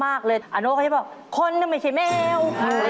อานโลก็เขียนบอกคนน่ะไม่ใช่แมว